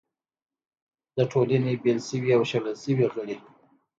د ټولنې بېل شوي او شړل شوي غړي